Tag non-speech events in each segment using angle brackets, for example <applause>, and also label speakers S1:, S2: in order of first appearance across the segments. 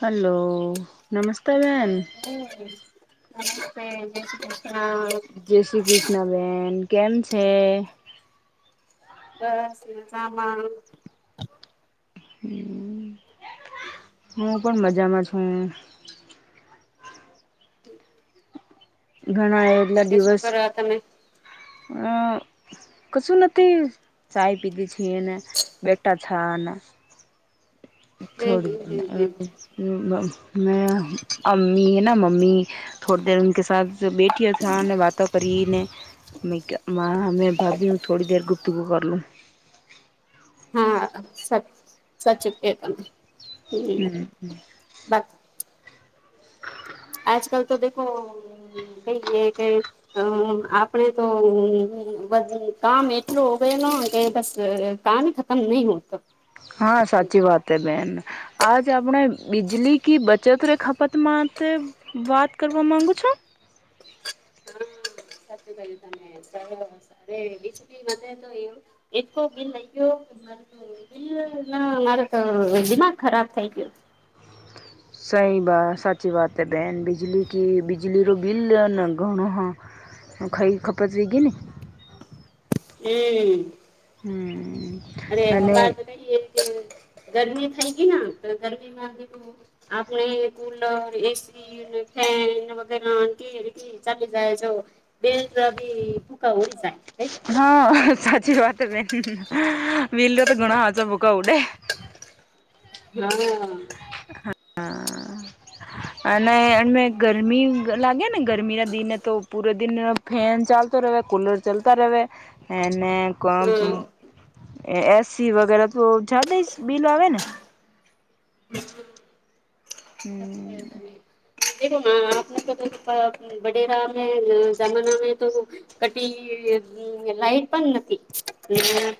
S1: Hello નમસ્તા બેન.
S2: એ બે.
S1: જય શ્રી કૃષ્ણ બેન કેમ છે.
S2: બસ શિલ્પા બા
S1: હું પણ મજામાં છું. ઘણા એટલા
S2: બાકી શું
S1: દિવસ
S2: કરો તમે
S1: અં કશું નથી ચાય પીતી છી ને બેટાથાને
S2: હમ હમ હમ હમ
S1: થોડીમેઅમીહેનામમ્મી થોડી ઉનકેસાથ બેઠીને વાતો કરી ને. મા હમે ભાભી થોડી દેર ગુપતગુ પકર લું
S2: સ સાચુ કે ત હમ બ
S1: હ <unintelligible>
S2: આજ કલ તો દેખો ભાઈ એ કે. હમ આપડે તો કામ એટલુહુયેન ન બસ કામહી કમ નહી હુ તો.
S1: હા સાચી વાત હે બેન આજ આપણે બિજલી કિ બચત ર ખપત માતે. વાત કરવા માગુ છો.
S2: સાચું કય્યું તને સર બીજલીતો એમ. એટકુબિલયગેય. મારો તો દિમાગ ખરાબ થઈ ગયો.
S1: સહી વાત સાચી વાત બેન બિજલી કે બિજલી ર બિલ ન ઘણું હા હ ખાઈ ખપતવીગ ન <unintelligible>
S2: હેએ
S1: હમ
S2: અરે આ તો કહીએ કે ગરમી થઈ ગઈ તો ગરમીમાં <unintelligible> આપ આપણે કુલર એસી ફેન વગેરે કે એ ચાલી જાય જો <unintelligible> બેલ ભી પૂકા ઓડીસાાય <unintelligible>
S1: હા સાચી વાત બેનબિલ તો ઘણા હાચોભૂકો ઉડે <unintelligible>
S2: હમ
S1: હા <inaudible> અને એ ગરમી લાગે ને તોગરમી ના દિન તો પૂરે દિન ફેન ચાલતો રહે કૂલર ચાલતા રહે
S2: હમ
S1: અનેને એસી વગેરે તો જાતે બિલ આવે ને હમ
S2: હ તને <inaudible> આપને બડેરામે જમના મે તો <unintelligible> ક લાઈટ પણ નથી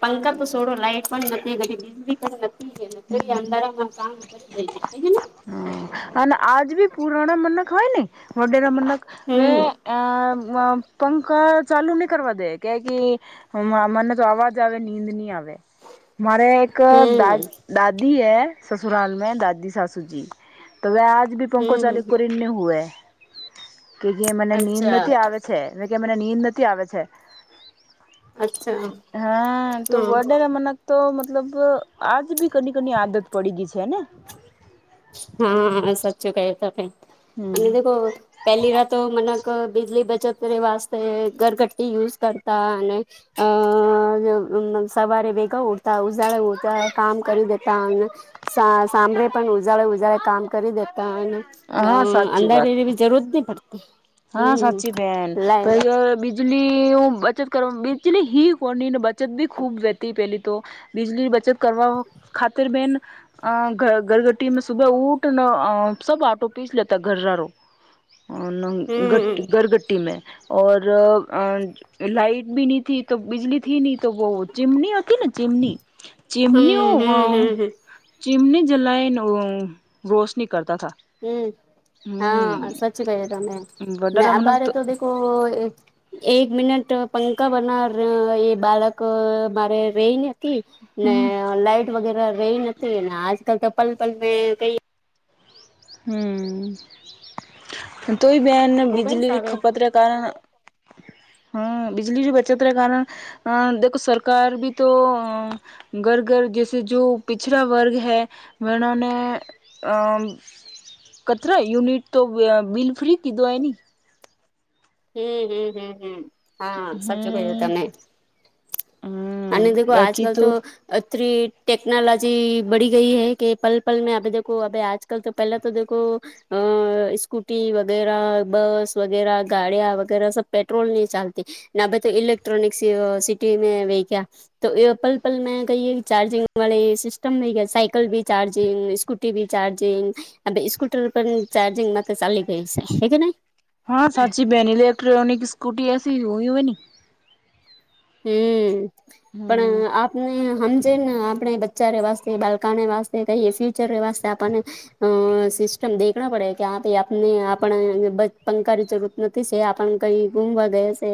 S2: પંખા સોડો લાઈટ પણ નથી નથી અંધારામાં કામ કરી દે
S1: હ અને આજ ભી પુરાણા મનક હોય ને વડેરા મનક હ
S2: હમ હમ
S1: અ પંખ ચાલુ નહી કરવા દે કે કે મને તો અવાજ આવે નીંદ ન આવે મારે એક દા
S2: હમ
S1: દાદી હૈ સસુરાલ મે દાદી સાસુ સુ તો આજ ભી પંખો
S2: હમ હમ
S1: ચલુકરીનહુવે કે મને નીંદ
S2: અચ્છા
S1: નથી આવે છે એ કે મને નીંદ નથી આવે છે
S2: અચ્છા
S1: હા તો
S2: હમ
S1: બર્ડેને મને <unintelligible> તો મતલબ આજ બી કની કની આદત પડી ગઈ છેને
S2: હા સાચું ક તો ક
S1: હમ
S2: અને પહેલી રાતો મનક બીજલી બચત વાતે ઘરગટી યુઝ કરતા અને અ સવારે વેગા ઉઠતા ઉજાળા ઉડતા કામ કરી દેતા <unintelligible> સાંભરે પણ ઉજાળે ઉજાળે કામ કરી દેતા
S1: હા સાચી વાત
S2: અંદરવીવી જરૂરત નહી પડતી
S1: હા
S2: હમ
S1: સાચી બેેન
S2: લાય
S1: ક બીજળી બચત કર બીજળી હી કોનીને બચત બી ખૂબ વતી પેલી તો બીજળીની બચત કરવા ખાતર બેન અ ઘ ગરગટી મે સુબહ ઉઠ ના સબ આટો પીસ લેતા ઘર રારો અ
S2: હમ હમ
S1: ઘરગટટી મેર અ લાઈટ બી નની થથી તો બિજલી થી ન તો બહ ચીમની હતી ને ચીમની
S2: હમ
S1: ચીમનીનુંઓ અ
S2: હમ હમ
S1: ચિમની જલાયન રોશની કરતા હતા
S2: હમ હા સચ કહી તમે ને
S1: ઇન્વર્ટર
S2: આ
S1: અમનક
S2: બારે તો દખો એક મિનિટ પંખા બનાર એ બાળક મારે રેને ને
S1: હમ
S2: લાઈટ વગેરે રહી નથી ને આજકાલ તો પલપલ કઈ
S1: હમ તોય બેહેન
S2: મોબાઈલ્સ
S1: બીજલી
S2: આવે
S1: ખપતના કારણ હમ બિજલીની બચતના કારણ અ દખો સરકાર ભી તો અ ઘર ઘર જૈસે જો પિછડાા વર્ગ હૈ એને અ કતરા યુનિટ તો બિલ ફ્રી કીધો એ ન
S2: હમ્મ હમ્મ હમ્મ હા સાચું કઈ
S1: હમ
S2: તને
S1: હમ
S2: અને દો આજ
S1: બાકી
S2: કલ તો એતરી ટટેકનોલોજી બડીી ગઈ હ કે પલ પલ મે અભ દેખો અભ આજ કલ તો પહેલાં તો દખો. અ સ્કૂટી વગેરા બસ વગેરા ગાડિયા વગેરે સબ પેટ્રોલ નહી ચાલતી ના ભ તો ઇક્ટ્રોનિકસ સિટી મે વ કયા તો એ પલ પલ મેં કહીએ કે ચાર્જિંગ વાળી સિસ્ટમ હૈ કેયા સાઇકલ ભી ચાર્જિંગ સ્કૂટી બી ચાર્જિંગ હ સ્કૂટર પણ ચાર્જિંગમાં તો ચાલી ગઈ છે, હ કે નહી
S1: હા સાચી બ બેની એક્ટ્રોનિક સ્કૂટી એસી હોઈ હોય ની
S2: હમ પણ
S1: હમ
S2: આપ ને સમમજેને આપણે બચ્ચા ર વાસ્તે બાળકાને વાતે કહીએ ફ્યુચર વાસ્તે આપણને અ સિસ્ટમ દેખણા પડે કે આ આપને આપણ પંખાની જરૂ નથી છે આપ કઈ ગુમવા ગયા છે,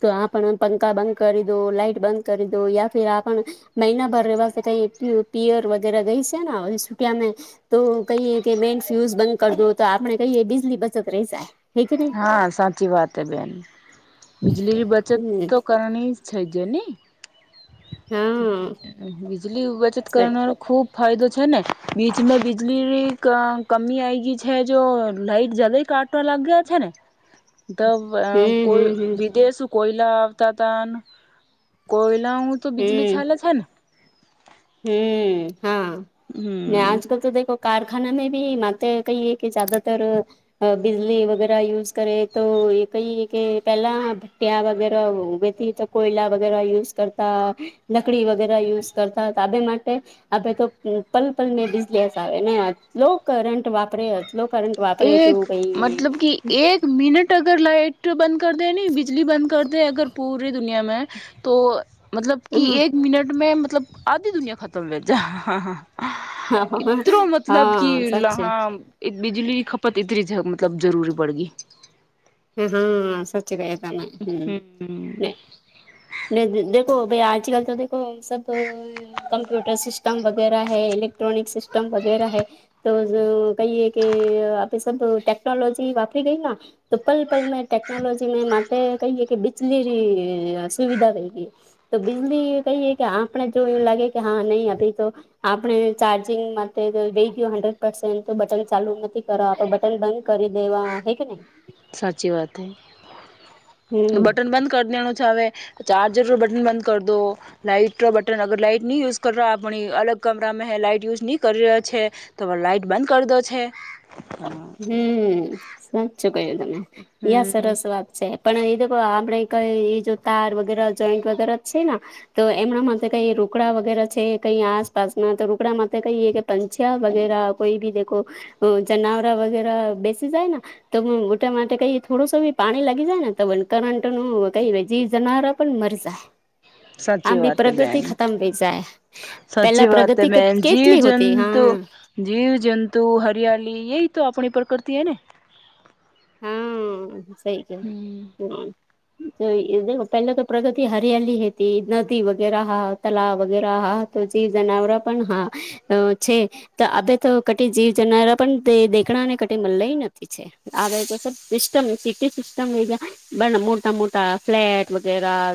S2: તો આ પખા કરી દો લાઇટ બંધ કરી દો યા ફર આપણ મહિના ભર રહેવા ક પિયર વગેરે ગઈ છેને, સુમે તો કહીએ કે મેન ફ્યુઝ બંધ કર દો તો આપણે કહીએ બીજલી બચત રહી જાય, હે કે નહી
S1: હા સાચી વાત હ બેન બીજળીની બચત
S2: હમ
S1: તો કરવાની જ છે, જેની
S2: હા
S1: બીજલી બચત
S2: હમ
S1: કરના ખૂબ ફાયદો છે ને બીચ મે બિજલી કમી આય ગઈ છે, જો લાઇટ જલે કાટ લાગ્યા છે ને ત કોઈ
S2: હમ હમ
S1: વિદેશ કોયલા આવતા હતા કોયલાઓ તો બિજલી છેાલે છેને.
S2: હમ હા મે
S1: હમ
S2: આજકાલ તો દખ કારખાના મે ભી માત કહીએ કે જદાતર બિજલી વગેરે યુઝ કરે તો એ કઈ કે પેલા ભટિયા વગેરે ઉગે તો કોયલા વગેરા યુઝ કરતા લકડી વગેરે યુઝ કરતા તાબે માટે આે તો પલપલ ને બીજલી હસ આવે ને કરટ વાપરે લો કરંટ વાપરે કેવું
S1: એક
S2: ભાઈ
S1: મતલબ કે એક મિનટ અગર લાઇટ બંધ કર દે નને બિજલી બંધ કર દે અગર પૂરી દુનિયામા તો મતલબ કે એક મિનટ મે મતલબ આધી દુનિયા ખતમ થ જ હા હા
S2: હા
S1: એતરો
S2: હા
S1: મતલબ કે
S2: સાચે
S1: લહા બિજલી ખપત એતરી જ મતલબ જરૂરી પડ ગઈ.
S2: હા સાચી વા તમે હમ ને દ દેખો ભઈ આચી વાત નથી કર સબ <unintelligible> કમ્પ્યુટર સિસ્ટમ વગેરેૈ લેક્ટ્રોનિક સિસ્ટમ વગેરે હૈ તો કહીએ કે આપે શ તો ટેકનોલોજી વાપરી ગય. તો પલ પલ મે ટેકનોલોજી મે મા કહીએ કે બીજલી સુવિધા થઈ ગઈ. તો બીજલી કહીએ કે આપણે જો એવું લાગે કે હા નહીં અી તો આપણે ચાર્જિંગ માટે લઈ ગયું હન્ડ્રેડ પસે તો બટન ચાલુ નથી કરો બટન બંધ કરી દેવા હે કે નહી
S1: સાચી વાત હૈ
S2: હમ
S1: બટન બંધ કરી દેનુ છે, હવે ચાર્જર પર બટન બંધ કર દો લાઈટ બટન અગર લાાઈટ નહી યુઝ કર આપણી અલગ કામરામાં હ લાઈટ યુઝ નહી કરી રહ્યા છે. તો લાઈટ બંધ કરી દો છે.
S2: હમ સાચું કય્યું તમે
S1: હમ
S2: સરસ વાત છે પણ એ આપડ કઈ એ જો તાર વગેરે જોઈન્ટ વગેરે છે તો એમના માટે કઈ રૂકડા વગેરે છે કઈ આસપાસમાં તો રૂકડા માટે કઈ પંછ્યા વગેરા કોઈ ભી દેખો જનાવરા વગેરા બેસી જાય તો મોટા માટે કઈ થોડું સો નૂ પાણી લાગી જાય ને તો કરંટ નું કઈ જનાર પણ મરજાય
S1: સાચી
S2: આમડી
S1: વાત હે
S2: પ્રગતિ
S1: બેન
S2: ખતમ થઈ જાય પેલા
S1: સાચી વાત
S2: પ્રગતિ કેટલી હોતે હા
S1: જીવજંતુ હરિયાળલી એ તો આપણી પ્રકૃતિ એ ને
S2: ફસાઈ ગયો
S1: હમ
S2: હમ્મ જો ઈ પેલા તો પ્રોજક્ટ હાલી હતી <unintelligible> તો પછી જીવ જનાવર પણ હા અ છે તો આે તો કટી જીવ જનારા પણ દેખડાને કટ મલય નથી છે આવે છે સિસ્ટમ સિટી સિસ્ટમ બ મોટા મોટા ફ્લેટ વગેરા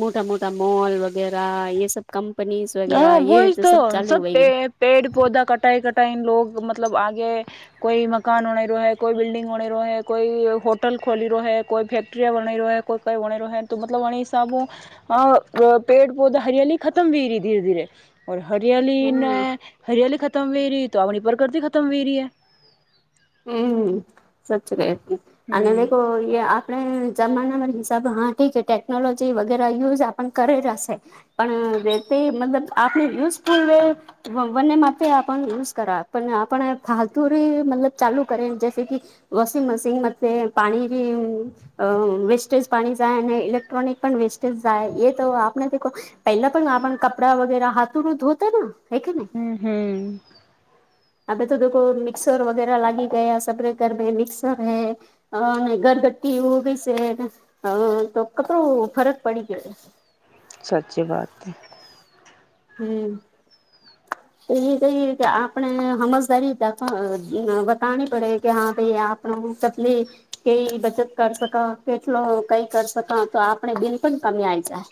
S2: મોટા મોટા મોલ વગેરા એ સબ કંપનીઝ વગેરા એ સબ ચાલુ હોય ગ
S1: પેડ પૌધા કટાઈ કટાઈને લોગ મતલબ આગે કોઈ મકાન ઓના રહ્યો હૈ કોઈ બિલ્ડિંગ બણી રહ્યો હૈ કોઈ હોટલ ખોલી રહ્યો હૈ કોઈ ફેક્ટ્રિયા બના રહ્યો હૈ કોઈ કઈ વ તો મતલબ વણી હિસાબો પેડ પધા હરિયાળલી ખતમ વ રી ધીરે ધીરે ઓર હરિયાળલીને
S2: હમ
S1: હરિયાલી ખતમ હો રહી તો આપમની પ્રકૃતિ ખતમ હો રહીૈ
S2: હમ્મ સાચું કહ્યું અને આ અનેકુ આપણે જમાનામાં હસાબ હા ઠી ટટેક્નોલોજી વગેરે યુઝ આપણ કરેલ હશે પણ તે મતલબ આપ યુઝફુલ ર <unintelligible> માટે આપ નસ કર પણ આપણે ફાલતુરી મતલબ ચાલુ કરે જ કે વોશિંગ મશીન મ પાણી અ વેસ્ટેજ પાણી જાય અને ઇલેક્ટ્રોનિક પણ વેસ્ટેજ જાય એ તો આપણે પહેલા પણ આપણ કપડા વગેરા હાથો ન ધોતા હ કે ન
S1: હમ્મ હમ્મ
S2: અભે તો દો મિક્સર વગેરા લાગી ગયા સપરેકર મિક્સર હૈ અ ઘરગટી છે હ તો કતરો ફરક પડી ગયો
S1: સાચી વાત
S2: હમ્મ
S1: <inaudible>
S2: તો એ કહી કે આપને હમસદારી બતા પડે કે હા ભાઈ આપ હ તતલી કેઈ બચત કર સકો કેટલો કઈ કરી સકો તો આપણે બિન પણ કમી આવીઈ જાય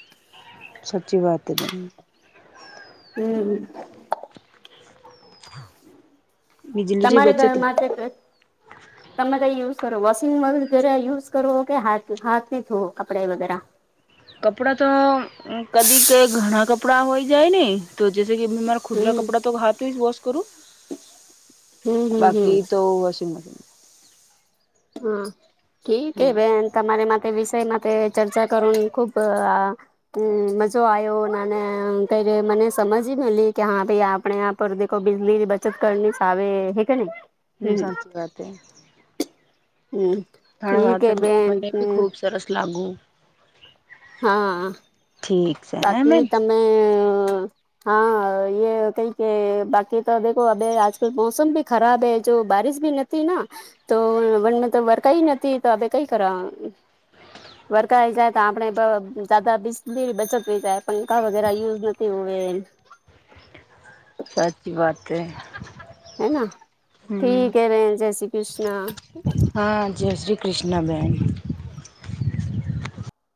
S1: સચી વાત એ બ
S2: હમ્મ
S1: <inaudible>
S2: તમારા ઘર માત્ર તમે ત યુઝ કરો વોશિંગ યુઝ કરો કેાથ હાથ ધોવો કપડા વગેરે
S1: કપડા તો કદી ક ઘણા કપડા હોય જાય ને તો જૈસે કે મારા ખુદરા
S2: હમ
S1: કપડા તો હાથ વોશ કરું
S2: હમ હમ હમ
S1: બાકી તો વોશિંગ મશીન
S2: હા કે તે
S1: હમ
S2: બેન તમારે માટે તે વિષય માટે ચર્ચા કરની ખુબ હમ, મજો આવ્યો ના, ક મને સમજ મી કે, હા, ભાઈ આપણે. પર દખો, બિજલીની બચત કરની સા આવે, હે કે ને.
S1: હમ, સાચી વાત હ.
S2: હમ.
S1: હ,
S2: ઠીક
S1: વાત
S2: હે બેન
S1: મને બી
S2: હમ
S1: ખુબ સરસ લાગુ.
S2: હા.
S1: ઠીક. છે હે
S2: બાકી
S1: બેન
S2: તમે, હા. કહી કે, બાકી તો દેખો, અભ આજકાલ મોસમ ભી ખરાબ હૈ, જો બારિશ ભી નથી હતી ના. તો મ વરકાઈ ન તો આપે કઈ કર <unintelligible> વરકાઈ જાય તો, આપે દાદા બી બચત. જાય, પંખા વગેરે યૂઝેઝ નથી હોવે.
S1: સાચી વાત છે.
S2: હેના, ઠીક. હે રે જય શ્રી કૃષ્ણ, ઠીક.
S1: હા, જય શ્રી કૃષ્ણ બેન.